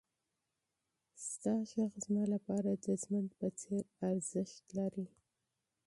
ستا غږ زما لپاره د ژوند په څېر ارزښت لري.